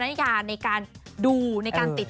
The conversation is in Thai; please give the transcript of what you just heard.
แต่มีนักแสดงคนนึงเดินเข้ามาหาผมบอกว่าขอบคุณพี่แมนมากเลย